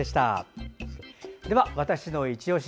では、「＃わたしのいちオシ」